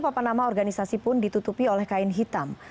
papanama organisasi pun ditutupi oleh kain hitam